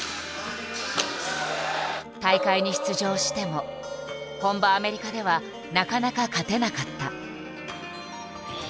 大会に出場しても本場アメリカではなかなか勝てなかった。